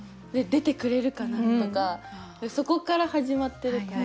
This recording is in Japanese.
出てくれるかな？とかそこから始まってるから。